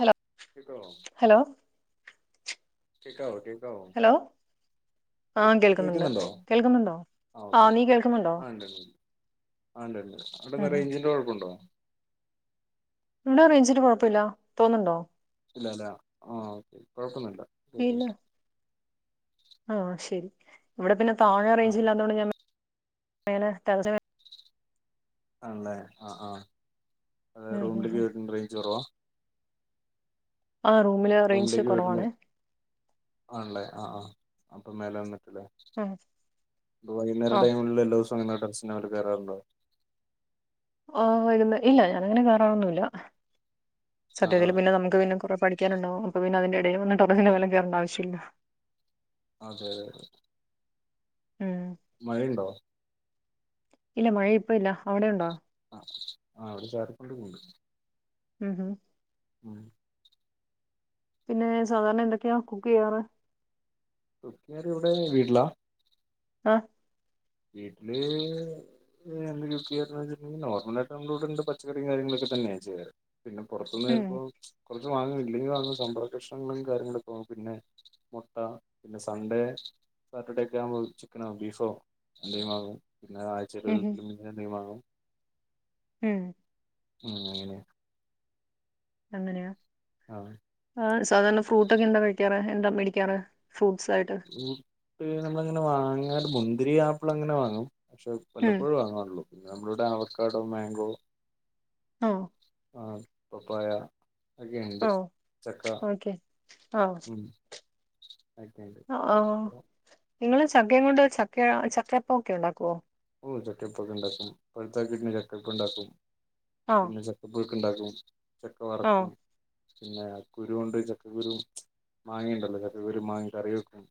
Hello കേക്കോ hello കേക്കാവോ, കേക്കാവോ? ഹലോ ആ ഉം കേൾക്കുന്നുണ്ട് കേൾക്കുന്നുണ്ടോ കേൾക്കുന്നുണ്ടോ ആ ഓക്കെ നീ കേൾക്കുന്നുണ്ടോ ആ ഇണ്ട്ണ്ട് ആഹ് ഇണ്ട്ണ്ട് ഉം അവിടെന്താ ഉം റേയ്ഞ്ചിന്റെ കൊഴപ്പണ്ടോ? ഇവടെ റേയ്ഞ്ചിന് കൊഴപ്പല്ല തോന്ന്ണ്ടോ? ഇല്ലാലാ ആഹ് ഓക്കെ കൊഴപ്പൊന്നുല്ല കേക്ക്ന്ന് ആഹ് ശരി ഇവടെ പിന്നെ താഴെ ആ റേയ്ഞ്ച്ല്ലാതോണ്ട് ഞാൻ മേലെ ടെറ ആണ്ലേ ആഹ്, ആഹ് ഉം ഉം റൂമിലേക്ക് ഉം കേറുമ്പോ റേയ്ഞ്ച് കൊറവ? ആഹ് റൂമില് റേഞ്ച് റൂമിലേക്ക് പോയ്ട്ട്ന്ന് കുറവാണേ ആണ്ലേ ആഹ്, ആഹ് അപ്പൊ മേലെ വന്നിട്ടല്ലേ ഉം വൈകുന്നേര ആ ടൈമില് എല്ലോദിവസോം അങ്ങനെ ടെറെസിന്റെ മേലെ കയറാറുണ്ടോ? ആഹ് വെരുന്ന് ഇല്ല ഞാനങ്ങനെ കേറാറൊന്നുല്ല ആ ആ സത്യത്തിൽ പിന്നെ ന്നമുക്ക് പിന്നെ കൊറെ പഠിക്കാനുണ്ടാവും അപ്പ പിന്നെ അതിന്റെ എടയില് വന്ന്ട്ട് അയിന്റെ മേലെ കയറണ്ടാവിശ്യമില്ല. അതെലേ ഉം മഴണ്ടോ? ഇല്ല മഴ ഇപ്പൊ ഇല്ല അവിടെ ഇണ്ടോ? അഹ് ആഹ് ഇവിടെ ചാറിക്കൊണ്ട് പോയി മ് ഹ് ഉം പിന്നെ സാധാരണ എന്തൊക്കെയാ കുക്കെയ്യാർ? കുക്കിയാറി എവിടെ വീട്ടിലാ? അഹ് വീട്ടില് എന്താ കൊക്കെയാ വെച്ചിട്ടണ്ടെങ്കി നോർമലായിട്ട് ന്നമ്മളോടെ പച്ചറിം കാര്യങ്ങളക്കെന്നെയാണ് ചെയ്യാറ്. പിന്നെ ഉം പൊർത്തുന്ന്വരുബൊ ചെലപ്പോൾ കൊർച്ച് വാങ്ങും ഇല്ലെങ്കിൽ വാങ്ങ സാമ്പാർ കക്ഷ്ണങ്ങളും കാര്യങ്ങളൊക്കെവാങ്ങും പിന്നെ മൊട്ട പിന്നെ സൺഡേ സാറ്റർഡേക്കെ ആകുമ്പോൾ ചിക്കനോ ബീഫോ എത്നെവാങ്ങും പിന്നെ ആഴ്ചയില് ഉം ഒരിക്ക് ഉം മീനെന്തെങ്കിലും വാങ്ങും. ഉം ഉം അങ്ങനെ അങ്ങനെയാ? ആഹ് ആഹ് സാധാരണ ഫ്രൂട്ട് ഒക്കെ എന്താ കഴിക്കാറ് എന്താ മേടിക്കാറ് ഫ്രൂട്ട്സ് ആയിട്ട്? ഫൂട്ട് ന്നമ്മളങ്ങനെ വാങ്ങാർ മുന്തിരി ആപ്പിൾ അങ്ങനെ വാങ്ങും പക്ഷെ ഉം വല്ലപ്പോഴും വാങ്ങാറൊള്ളൂ. പിന്നെ നമ്മളിവിടെ അവകാടോ മാങ്കോ അഹ് ആഹ് പപ്പായ ഒക്കെ ഇണ്ട് ആ ചക്ക ഓക്കെ ആ ഉം ഒക്കെണ്ട്. ഓ ഓ നിങ്ങള് ചക്കേം കൊണ്ട് ചക്ക ചക്കയപ്പ ഒക്കെ ഇണ്ടാക്കോ? ഓ ചെക്കപ്പൊക്കെ ഇണ്ടാക്കും പയുത്ത കിട്ട്ണെ ചെക്കപ്പണ്ടാക്കും ആ പിന്നെ ച ക്കപുഴുക്ക് ഇണ്ടാക്കും ചക്ക ആ വർക്കും. പിന്നെ കുരു കൊണ്ട് ചക്കക്കുരു മാങ്ങിണ്ടല്ലോ ചക്കക്കുരു മാങ്ങി കറി വെക്കും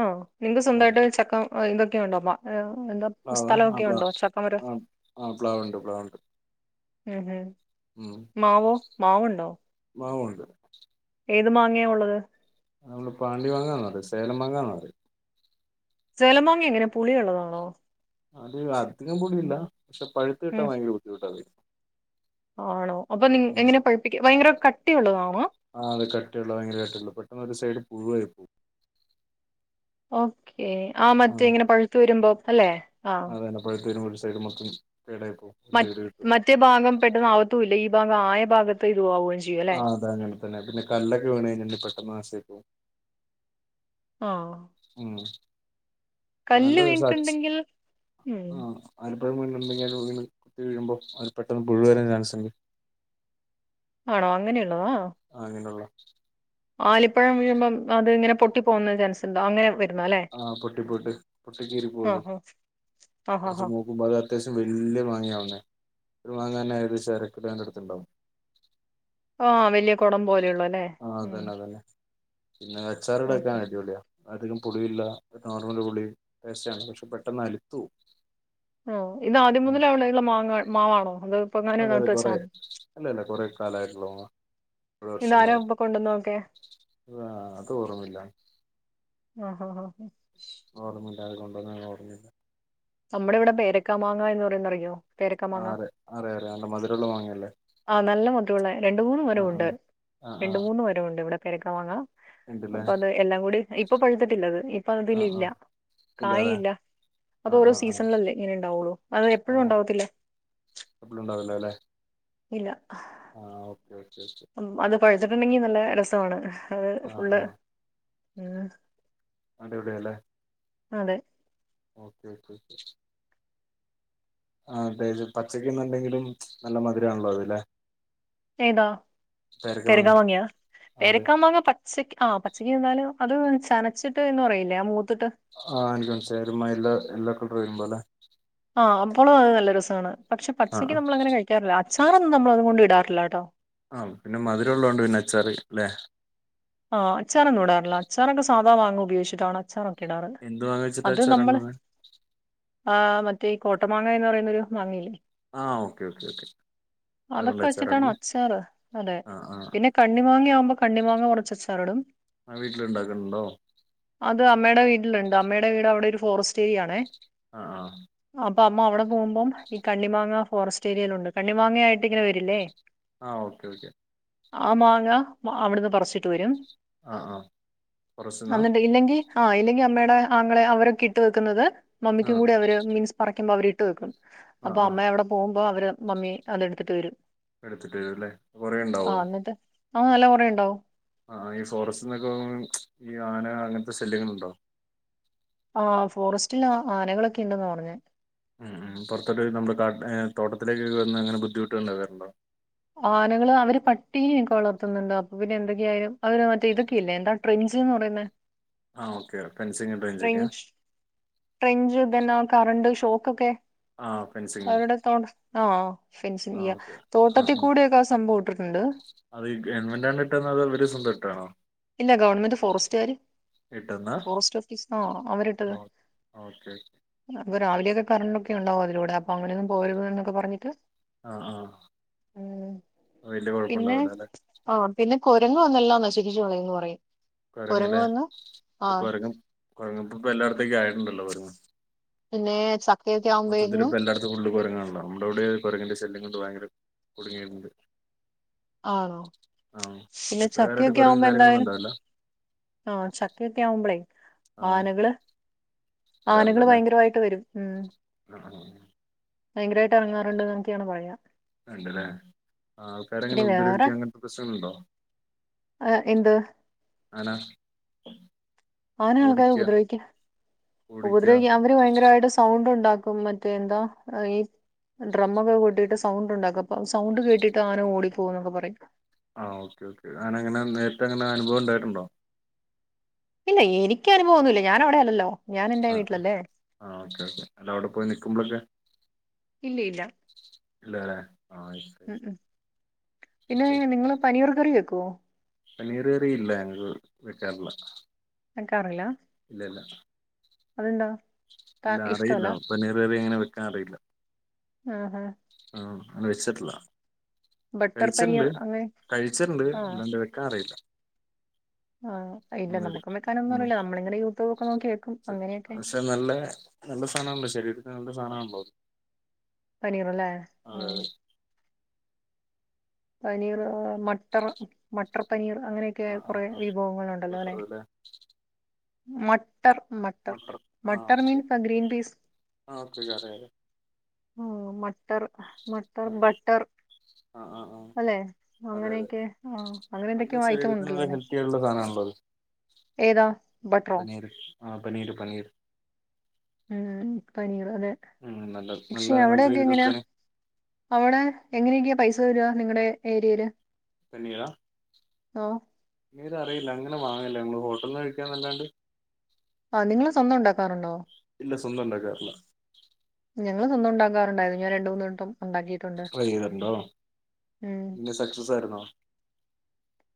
ആഹ് നിങ്ങക്ക് ആ സ്വന്തമായിട്ട് ചക്ക ഇതൊക്കെയ ഉണ്ടോ മ്മ എന്താ പ്ലാവ ആ സ്ഥലൊക്കെ പ്ലാ ഉണ്ടോ ചക്ക മരം ആ ആ പ്ലാവുണ്ട് പ്ലാവുണ്ട് ഉം ഉം ഉം മാവോ മാവുണ്ടോ മാവുണ്ട് ഏത് മാങ്ങയാ ഉള്ളത് നമ്മള് പാണ്ടി മാങ്ങാന്ന് പറയും സേലം മാങ്ങാന്ന് പറയും ചേലമാങ്ങ എങ്ങനെ പുളി ഉള്ളതാണോ അത് അധികം പുളി ഇല്ല പക്ഷെ പഴുത്ത് കിട്ടാൻ ഉം ഭയങ്കര ബുദ്ധിമുട്ടാ അത് ആണോ അപ്പൊ നി ഉം എങ്ങനെ പഴിപ്പിക്ക ഭയങ്കര കട്ടിയുള്ളതാണോ ആഹ് അത് കട്ടിയുള്ള ഭയഗരായിട്ടുള്ള പെട്ടന്ന് ഒരു സൈഡ് പുഴവായി പോവും ഓക്കേ ആഹ് ആ മറ്റേ ഇങ്ങനെ പഴുത്തു വരുമ്പോ അല്ലെ ആഹ് ഇപ്പോഴ തരുനൂല സൈഡ് മൊത്തം പേടായി പ്പോവും മ മറ്റേ ഭാഗം പെട്ടെന്ന് ആവത്തു ഇല്ല ഈ ഭാഗം ആയ ഭാഗത്ത് ഇത് ആവുക ആഹ് അതെ അങ്ങനെ തന്നെ പിന്നെ കല്ലൊക്കെ വീണ കഴിഞ്ഞാൽ പെട്ടെന്ന് നാശായി പൊവും ആഹ് ഉം കല്ല് നല്ലറെസാച്ചു വീണിട്ടുണ്ടെങ്കിൽ ഉം ആഹ് ആലപ്പ ഴും വീഴുണ്ടെങ്കിൽ കുത്തി കഴുമ്പോൾ അത് പെട്ടെന്ന് പുഴുവ വരാൻ ചൻസ്ണ്ട് ആണോ അങ്ങനെയുള്ളതോ അഹ് അങ്ങനെയുള്ള ആലിപ്പഴം വീഴുമ്പം അത് ഇങ്ങനെ പൊട്ടി പോകുന്ന ചാൻസ് ഉണ്ടോ അങ്ങനെ വരുന്ന അല്ലെ ആഹ് പൊട്ടി പോയിട്ട പൊട്ടി കീറി പോകും അത് ആഹ് ആഹ് കുറച്ച് ആഹ് മു പോ അത്യാവശ്യം വല്യ മാങ്ങിയാവുന്നേത്ഒരു മാങ്ങാ തന്ന ഏകദേശം അരക്കിലൊ അടുത്തുണ്ടാവും ആഹ് വലിയ കുടം പോലെയള്ള ല്ലെ ആഹ് അതന്നെ അത ന്നെ പിന്നെ ഓക്കെ ആച്ചാർടാൻക്കെഅടിപൊളിയാ അധികം പുളിയില്ല നോർമല് പുളി ടേസ്റ്റ ആണ് പക്ഷെ പെട്ടെന്ന് അലുത്തപോകും ആഹ് ഇതു ആദ്യം മുതല അവടെ ഉള്ള മാങ്ങ മാവാണോ അതു അതെ അതെ കൊറെ അല്ലല്ല കൊറെ കാലമായിട്ടുള്ളൂ ഒരു വർഷം ഇതാരാ ഇ പ്പൊ കൊണ്ടുവന്ന നോക്കെ ആഹ് അത് ഓർമ്മില്ല ആഹ് ആഹ് ആഹ് ആഹ് ഓർമ്മില്ല അത് കൊണ്ടുവന്ന ഓർമ്മില്ല നമ്മുടെ ഇവിടെ പേരക്കാ മാങ്ങ എന്ന് പറയുന്നറിയോ ആഹ് അറി അറി അറെം നല്ല മധുരുള്ളം മാങ്ങിയല്ലേ ആ നല്ല മദുരള്ള രണ്ട മൂന്ന് മരം ഉണ്ട് ആ ആ ആ രണ്ട് മൂന്ന് മരംമുണ്ട് ഇവിടെ പെരക്ക മാങ്ങ ഉണ്ടല്ലേ അപ്പൊ അത് എല്ലാം കൂടി ഇപ്പൊ പഴുത്തിട്ടില്ലത് ഇപ്പൊ ആ ആ അതിലില്ല കായി ഇല്ലാല്ലേ ഇല്ല ആ ആ അത്ഓരോ ആ സീസണിലല്ലേ ഇങ്ങനെണ്ടാവുള്ളു അത് എപ്പോഴും ഉണ്ടാവത്തില്ല എപ്പളും ഉണ്ടാവില്ലലെ ഇല്ല ആഹ ഓക്കെ ഓക്കെ അത് പഴത്തിട്ടുണ്ടെങ്കിൽ നല്ല രസമാണ് അത് ആ ഫുള്ള് ആ അടിപൊളിയാഅല്ലേ അതെ ഓക്കേ ഓക്ക ആ ഹ് അതെയത് പച്ചക്കന്ന്ണ്ടെങ്കിലും നല്ല മധുരാണല്ലോ അതല്ലെ ഏതാ പേരക്ക മാങ്ങ പെരക്കാ മാങ്ങിയാ അതെ പെരക്കാ പേരക്കമാങ്ങ പ പച്ച ആ പച്ചക്കക്ക് വന്നാലും അത് ചനച്ചിട്ട് എന്ന് പറയില്ലേ മൂത്തിട്ട് ആഹ് എനിക്കൻസിലായിഎല്ലാ എല്ലാ കളർ വരുമ്പോ അല്ലേ ആഹ് അപ്പോളും അത് നല്ല രസമാണ് പക്ഷെ ആ പച്ചയ്ക്ക് ആ നമ്മള അങ്ങനെ കഴിക്കാറില്ല അച്ചാറൊന്നും നമ്മള അതുകൊണ്ട് ഇടാറില്ല കേട്ടോ ആഹ് പിന്നെ മധുരമുള്ളത് കൊണ്ട് ഉം പിന്നെ അച്ചാറി അല്ലെ ആഹ് അച്ചാറൊന്നും ഇടാറില്ല അച്ചാറൊക്കൊ സാധാ മാങ്ങ ഉപയോഗിച്ചിട്ടാണ്. അച്ചാറൊക്കെ ഇടാറ് എന്ത് മാങ്ങ വെച്ചിട്ടാ അത് അച്ചാറ് നമ്മള്. ഇടുന്നത് ആഹ് മറ്റേ കോട്ട മാങ്ങ എന്ന് പറയുന്നൊരു മാങ്ങയില്ലേ? ആഹ് ഓക്കെ ഓക്കെ ഓക്കെ. അതൊക്കെ അതുകൊണ്ടാ അച്ചാറ് വെച്ചിട്ടാണ് ഇടല് അച്ചാറ് അതെ ആ ആ പിന്നെ കണ്ണി മാങ്ങയാവുമ്പോ കണ്ണി മാങ്ങ കൊർ ച്ച് അച്ചാറിടും. ആ വീട്ടിലുണ്ടാക്കുന്നുണ്ടോ അത് അമ്മയുടെ വീട്ടിലുണ്ട് അമ്മയുടെ വീട് അവിടെ ഒരു ഫോറസ്റ്റ് ഏരിയ ആണേ. ആ ഹ് അഹ് ആഹ്. അപ്പൊ അമ്മ അവിടെ പോവുമ്പോം ഈ കണ്ണിമാങ്ങ ഫോറസ്റ്റ് ഏരിയലുണ്ട് കണ്ണിമാങ്ങായിട്ട് ഇങ്ങനെ വരില്ലേ. ആഹ് ഓക്കെ ഓക്കെ. ആഹ് മാങ്ങ അവ്ടുന്ന് പറച്ചിട്ട് വരും. ആ ആ കുറച്ചെന്നാ അന്നണ്ട് ഇല്ലെങ്കി. ആഹ് ഇല്ലെങ്കി അമ്മയുടെ ആങ്ങളെ അവരൊക്കെ ഇട്ട് വെക്കുന്നത് മമ്മിക്കും ആഹ് കൂടെ അവര് മീൻസ് പറിക്കുമ്പോ അവര് ഇട്ട് വെക്കും. അപ്പൊ ആഹ് ആഹ് അമ്മെ അവിടെ പോവുമ്പോ അവര് മമ്മി അത് എടുത്തിട്ട് വരും. എടുത്തിട്ട് വരും ല്ലേ കൊറേണ്ടാവോ. ആഹ് നല്ല കൊറേണ്ടാവും. ആഹ് ഈ ഫോറസ്റ്റ് നിന്നൊക്കെ ഈ ആന അങ്ങൻത്തെ സല്യങ്ങൾ ഇണ്ടോ? ആഹ് ഫോറസ്റ്റിലാ ആനകളൊക്കെ ഇണ്ട്ന്നാ പർഞ്ഞെ. ഉം ഉം പൊർത്ത്ട്ടയ്ഞ്ഞ് നമ്മുടെ കാ ഹ് തോട്ടത്തിലേക്കൊക്കെ വന്ന് അങ്ങനെ ബുദ്ധിമുട്ടുണ്ടാവാറുണ്ടോ? ആനകൾ അവര് പട്ടിനെക്കെ വളർത്തുന്നുണ്ട് അപ്പൊ പിന്നെ എന്തൊക്കെയായാലും അവര് മറ്റേ ഇതൊക്കെയില്ലേ എന്താ. പ്രിൻസ്ന്ന് പറയുന്ന. ആഹ് ഓക്കെ ഫെൻസിങ്ങ് ഇട്ട് വെഞ്ചേക്ക്യാ? ട്രെഞ്ച്, [unintelligible] കറണ്ട് ഷോക്കൊക്കെ. ആഹ് ഫെൻസിങ് അവരുടെ തോ ആഹ ഫെൻസിങ്ങ് ആഹ് ചെയ്യാ ഓക്കെ ആഹ് തോട്ടത്തി ആഹ് കൂട്യൊക്കെ ആ സംഭവം ഇട്ടിട്ടുണ്ട്. അത് ഗവൺമന്റാണോ ഇട്ടത് അതോ ഇവര് സ്വന്തം ഇട്ടാണോ? ഇല്ല ഗവൺമെന്റ് ഫോറസ്റ്റ്കാര്. ഇട്ടന്നാ ഫോറസ്റ്റ് ഓഫീസ്ന്നാ അവരിട്ടത്. ഓക്കെ അപ്പൊ രാവിലെയൊക്കെ കറണ്ടൊക്കെ ഒണ്ടാവും അതിലൂടെ അപ്പൊ അങ്ങനെ ഒന്നും പോവരുത് ന്നൊക്കെ പറഞ്ഞിട്ട്. ആഹ് ആഹ് ഉം വലിയ പിന്നെ. കുഴപ്പുണ്ടാവില്ല അല്ലെ ആഹ് പിന്നെ കൊരങ്ങ് വന്നെല്ലാം നശിപ്പിച്ചു കളയുന്നു പറയും. കൊരങ്ങ് കുരങ്ങ് ല്ലേ വന്ന് ആ ഇപ്പൊ കൊരങ്ങ് കൊരങ്ങ്പ്പ ഇപ്പ എല്ലായിടത്തേക്കും ആയിട്ടുണ്ടല്ലോ കൊരങ്ങ്. പിന്നെ ച മൊത്തത്തിലിപ്പ എല്ലാട്ത്തും ഫുള്ള് കൊര്ങ്ങാൺല്ലോ നംടെ ഇവ്ടേം കൊരങ്ങിന്റെ ശല്യം കൊണ്ട് ബൈങ്കര കുട്ങ്ങീട്ടിണ്ട്. ആണോ പിന്നെ ഇത്ര കാലമായിട്ട് ചക്ക്യൊക്കെ കൊരങ്ങും ആവുമ്പോ കാര്യങ്ങളൊന്നും എന്തായാലും. ഉണ്ടാവില്ല ആഹ് ചക്ക്യൊക്കെ ആവുമ്പളെ. ആഹ് ആനകള് ആനകള് ഭയങ്കരമായിട്ട് വരും ഉം. ആണോ ഉം. ഭയ്ങ്കരായിട്ട് എറങ്ങാറുണ്ട്ന്നൊക്കെയാണ് പറയാ. ഉണ്ട്ല്ലേ ആൾക്കാരെങ്ങനെ പിന്നെ വേറെ ഉപദ്രവിക്ക അങ്ങൻത്തെ പ്രശ്നങ്ങളുണ്ടോ? ആഹ് എന്ത്? ആന. ആന ആൾക്കാരെ ഓടിക്കുക ഉപദ്രവിക്ക ഓടിക്കുക ഉപദ്രിവിക്ക അവര്. ട്ട് ഭയങ്കരായിട്ട് സൗണ്ടൊണ്ടാക്കും മറ്റേ എന്താ ഈ. ഡ്രമ്മൊക്കെ കൊട്ടീട്ട് സൗണ്ട് ഒണ്ടാക്കും അപ്പൊ സൗണ്ട് കേട്ടിട്ട് ആന ഓടിപ്പോവുന്നൊക്കെ പറയും. ആഹ് ഓക്കെ ഓക്കെ ആനങ്ങെനെ നേര്ത്തെ അങ്ങനെ അനുഭവണ്ടായിട്ടുണ്ടോ? ഇല്ല എനിക്ക് അനുഭവൊന്നുല്ല ഞാനവിടെയല്ലല്ലോ ഞാൻ എന്റെ ആഹ് ആഹ് വീട്ടിലല്ലേ. ആഹ് ഓക്കെ ഓക്കെ അല്ല അവിടെ പോയി നിക്കുമ്പഴൊക്കെ. ഇല്ലിയില്ല. ഇല്ലല്ലേ ആഹ്. ഉം ഉം പിന്നേ ഓക്കെ നിങ്ങള് പനീർ കറി വെക്കോ? പനീർ കറി ഇല്ല ഞങ്ങള് വെക്കറില്ല. വെക്കാറില്ല ഇല്ലല്ല അതെന്താ ഇല്ല ത- അറിയില്ല ഇഷ്ടമല്ല പനീറ് കറി അങ്ങനെ വെക്കാറില്ല. ആഹ് ആഹ് വെയ്ച്ചിട്ടില്ല. ബട്ടർ കഴിച്ചിണ്ട് പനീർ അങ്ങനെ കഴിച്ചിണ്ട് ആഹ് അല്ലാണ്ട് വെക്കാൻ അറിയില്ല. ആഹ് ഇല്ല ഉം നമുക്കും ഉം വെക്കാനൊന്നറില്ല നമ്മളിങ്ങനെ യൂട്യൂബ് ഒക്കെ നോക്കി വെക്കും അങ്ങനെയൊക്കെ. പക്ഷെ നല്ല നല്ല സാനാണല്ലോ ശരീരത്തിന് നല്ല സാനാണല്ലോ. പനീർല്ലേ ഉം അതെ പനീർ മട്ടർ മട്ടർ പനീർ അങ്ങനെ ക്കെ ആ ആ കൊറേ ആ ബട്ടർ വിഭവങ്ങളുണ്ടല്ലോല്ലെ അല്ലേ മട്ടർ മട്ടർ മട്ടർ മീൻ ഫ ഗ്രീൻ പീസ് ആഹ് ഓക്കേ [unintelligible] കാര്യം ആഹ് മട്ടർ മട്ടർ ബട്ടർ ആഹ് ആഹ് ആഹ് അല്ലെ അങ്ങനെയൊക്കെ ആഹ് നല്ല അങ്ങനെന്തൊക്കെയോ ശരീരത്തിന് നല്ല ഐറ്റമുണ്ടല്ലോല്ലെ? ഹെൽത്തി ആയിട്ടുള്ള സാധനമാണല്ലോ അത് ഏതാ ബട്ടറോ? ആഹ് പനീർ പനീർ ഉം പനീർ അതെ, ഉം നല്ല നല്ല പക്ഷെ നല്ല അവിടൊക്കെ രീതിയിൽ എങ്ങനെയാ? വെക്കാണ് അവിടെ എങ്ങനെയൊക്കെയാ പൈസ വരുവാ നിങ്ങടെ ഏരിയല്. പനീരാ പനീര് അറിയില്ല അങ്ങനെ വാങ്ങലില്ല നമ്മൾ ഹോട്ടലിന്ന് കഴിക്കാന്നല്ലാണ്ട് ആഹ് നിങ്ങള് സ്വന്തം ഉണ്ടാക്കാറുണ്ടോ? ഇല്ല സ്വന്തം ഉണ്ടാക്കാറില്ല. ഞങ്ങള് സ്വന്തം ഉണ്ടാക്കാറുണ്ടായിരുന്ന് ഞാൻ രണ്ട് മൂന്നട്ടം ഉണ്ടാക്കി ട്രൈ ചെയ്തിട്ടുണ്ടോ? പിന്നെ സക്സസ് ആയിരുന്നോ?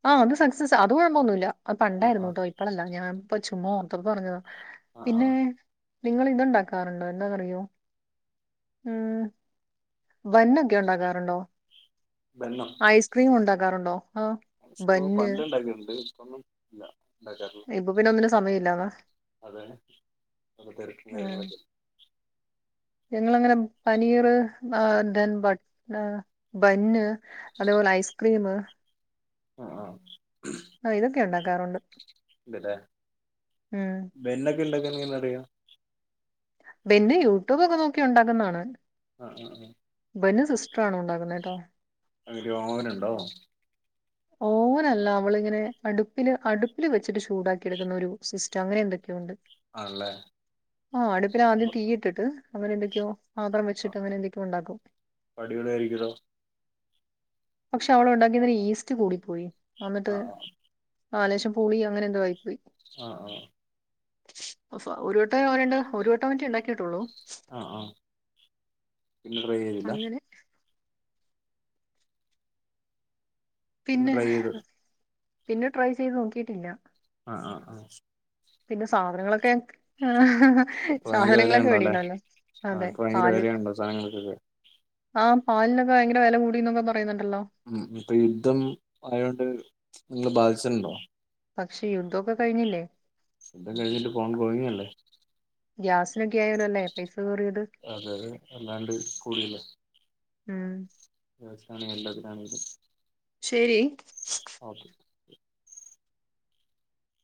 ആഹ് അത് സക്സസ് അത് കൊഴപ്പൊന്നുല്ല അത് ആ ആ പണ്ടായിരുന്നുട്ടോ. ഇപ്പളല്ല ഞാൻ ഇപ്പൊ ചുമ്മാ ഓർത്തന്ന് പറഞ്ഞതാ ആ ആ പിന്നെ നിങ്ങൾ ഇതുണ്ടാക്കാറുണ്ടോ എന്താ അറിയോ ഉം ബന്നൊക്കെ ഉണ്ടാകാറുണ്ടോ? ബന്നോ? ഐസ്ക്രീം ഉണ്ടാക്കാറുണ്ടോ? ആഹ് സ്കൂള്ന്ന്പണ്ട് ഇണ്ടാക്കിട്ടുണ്ട് ഇപ്പൊന്നും ഇല്ല. ഉണ്ടാക്കാറുള്ളു ഇപ്പൊ പിന്നെ ഒന്നിനും സമയമില്ലാതാ അതാണ് തെരക്കും ഉം കാര്യങ്ങളൊക്കെ [inaudible] ഞങ്ങളങ്ങനെ പനീർ ആഹ് ദൻ ഏഹ് ബന്ന് അതുപോലെ ഐസ്ക്രീം ആഹ് ആഹ് ആഹ് ഇതൊക്കെ ഉണ്ടാക്കാറുണ്ട്. ഉം ബന്നൊക്കെ ഉണ്ടാക്കാനെങ്ങനെ അറിയാം? ബെന്ന് യൂട്യൂബക്കെ നോക്കി ഉണ്ടാക്കുന്നതാണ്. ആഹ് ആഹ് ആഹ് ബന്ന് സിസ്റ്ററാണ് ഉണ്ടാക്കുന്നത് ട്ടോ. അതില് ഓവനുണ്ടോ? ഓവനല്ല അവളിങ്ങനെ അടുപ്പില് അടുപ്പില് വെച്ചിട്ട് ചൂടാക്കി എടുക്കുന്ന ഒരു സിസ് റ്റങ്ങനെ എന്തൊക്കെയോണ്ട് ആണല്ലേ ആഹ് അടുപ്പിൽ ആദ്യം അപ്പൊ തീയിട്ടി ട്ട് അവനെന്തൊക്കെയോ പാത്രം വച്ചിട്ട് അങ്ങനെ എന്തൊക്കെയോ ഉണ്ടാക്കും. അടിപൊളിയായിരിക്കുല്ലോ പക്ഷേ അവളുണ്ടാക്കിയതിൽ ഈസ്റ്റ് കൂടിപ്പോയി. വന്നിട്ട് ആ ആ ആഹ് ലേശം പുളി അങ്ങനെ എന്തോ ആയിപ്പോയി. ആഹ് ആഹ് അ ഒരു വട്ടെ അവരണ്ട് ഒരു വട്ടം വറ്റി ഉണ്ടാക്കിയിട്ടുള്ളു ആഹ്ആഹ് പിന്നെ ട്രൈ ചെയ്തില്ല അങ്ങനെ പിന്നെ ട്രൈ ചെയ്ത് പിന്നെ ട്രൈ ചെയ്ത് നോക്കിയിട്ടില്ല ആഹ് ആഹ് ആഹ് പിന്നെ സാധനങ്ങളൊക്കെ ഇപ്പൊ ഭയങ്കര സാധനങ്ങളൊക്കെ വിലയാണല്ലോ അല്ലെ മേടിക്കണല്ലോ ആ അതെ ഇപ്പൊ ഭയങ്കര പാല് വിലയാണല്ലോ സാധനങ്ങൾക്കൊക്കെ ആഹ് പാലിനൊക്കെ ഭയങ്കര വെല കൂടി എന്നൊക്കെ പറയുന്നുണ്ടല്ലോ ഉം ഇപ്പൊ യുദ്ധം ആയോണ്ട് നിങ്ങള് ബാധിച്ചിണ് ണ്ടോ പക്ഷേ യുദ്ധക്കെ കഴിഞ്ഞില്ലേ യുദ്ധംകഴിഞ്ഞിട്ട് [unintelligible] ഗ്യാസിനൊക്കെ ആയാലോല്ലേ പൈസ കേറിയത് അതെതെ വല്ലാണ്ട് കൂടിയിലേ ഉം ഗ്യാസിനാണെങ്കിലും എല്ലാതിനാണെങ്കിലും ശെരി ഓക്കെ